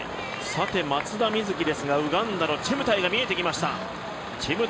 松田瑞生ですが、ウガンダのチェムタイが見えてきました。